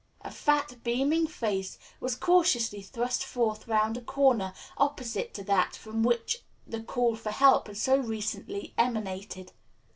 A fat, beaming face was cautiously thrust forth round a corner opposite to that from which the call for help had so recently emanated.